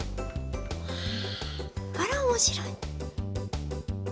あら面白い。